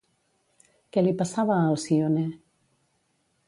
Què li passava a Alcíone?